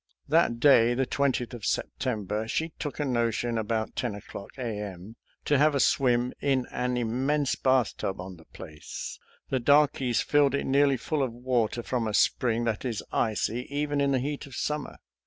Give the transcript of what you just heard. That day. the 20th of September, she took a notion about 278 SOLDIER'S LETTERS TO CHARMING NELLIE 10 o'clock A. M. to have a swim in an immense bathtub on the place. The darkies filled it nearly full of water from a spring that is icy even in the heat of summer.